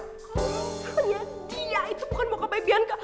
oh ternyata dia itu bukan bokapnya bianca